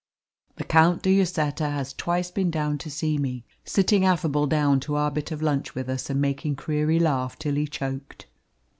The Count de Lloseta has twice been down to see me, sitting affable down to our bit of lunch with us and making Creary laugh till he choked.